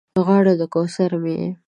غاړه د کوثر مې یې